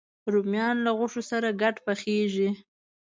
رومیان له غوښو سره ګډ پخېږي